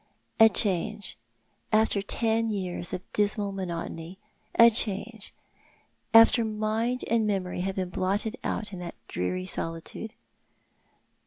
" A change — after ten years of dismal monotony ! A change — after mind and memory had been blotted out in that dreary solitude